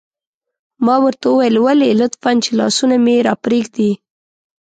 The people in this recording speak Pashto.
ما ورته وویل: ولې؟ لطفاً، چې لاسونه مې را پرېږدي.